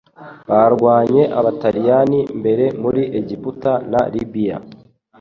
Barwanye Abataliyani mbere muri Egiputa na Libiya